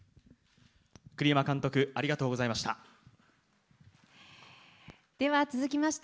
栗山監督、ありがとうございました。